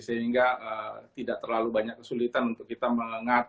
sehingga tidak terlalu banyak kesulitan untuk kita menggunakan mrt